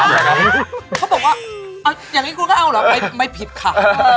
เขาบอกว่าเอาอย่างนี้คุณก็เอาเหรอไม่ผิดค่ะ